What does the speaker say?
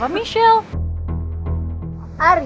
kalau menurut gue ya harusnya lo introspeksi diri